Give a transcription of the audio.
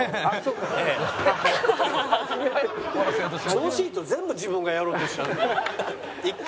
調子いいと全部自分がやろうとしちゃう。